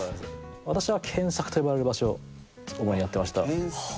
私は検索と呼ばれる場所を主にやってました。